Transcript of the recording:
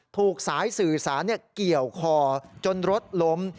ถูกสายสื่อสารเกี่ยวคอจนรถล้ม